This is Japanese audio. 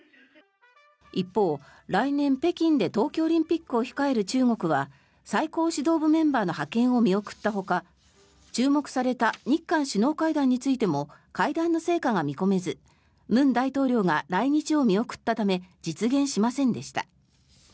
一方、来年、北京で冬季オリンピックを控える中国は最高指導部メンバーの派遣を見送ったほか注目された日韓首脳会談についても会談の成果が見込めず文大統領が来日を見送ったため実現しませんでした。